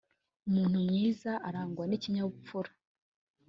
umuntu mwiza arangwa nikinyabupfura